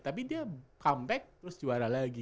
tapi dia comeback terus juara lagi